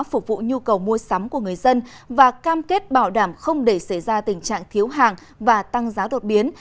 phục vụ nhu cầu mua sắm của người dân và cam kết bảo đảm không để xảy ra tình trạng thiếu hàng và tăng giá đột biến